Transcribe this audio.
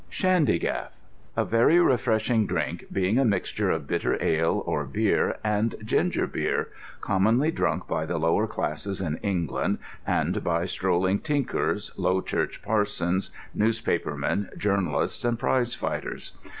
SHANDYGAFF: a very refreshing drink, being a mixture of bitter ale or beer and ginger beer, commonly drunk by the lower classes in England, and by strolling tinkers, low church parsons, newspaper men, journalists, and prizefighters.